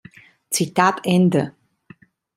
Zitat Ende.